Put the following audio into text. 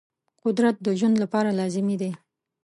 قدرت د ژوند لپاره لازمي دی.